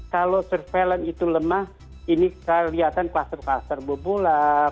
kalau surveillance itu lemah ini kelihatan kluster kluster bebulang